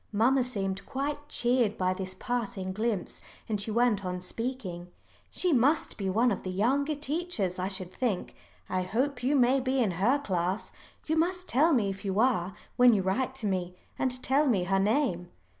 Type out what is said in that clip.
Mamma seemed quite cheered by this passing glimpse, and she went on speaking. "She must be one of the younger teachers, I should think. I hope you may be in her class. You must tell me if you are when you write to me, and tell me her name."